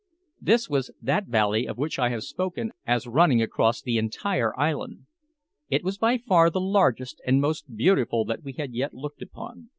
This was that valley of which I have spoken as running across the entire island. It was by far the largest and most beautiful that we had yet looked upon.